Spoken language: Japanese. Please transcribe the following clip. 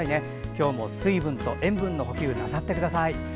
今日も水分と塩分の補給なさってください。